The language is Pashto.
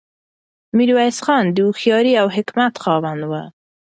میرویس خان د هوښیارۍ او حکمت خاوند و.